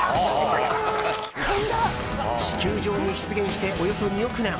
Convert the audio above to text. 地球上に出現しておよそ２億年。